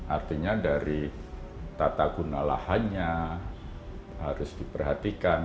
artinya dari tata guna lahannya harus diperhatikan